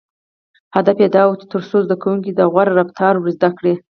• هدف یې دا و، تر څو زدهکوونکو ته غوره رفتار ور زده کړي.